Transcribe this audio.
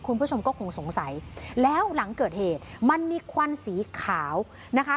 คุณผู้ชมก็คงสงสัยแล้วหลังเกิดเหตุมันมีควันสีขาวนะคะ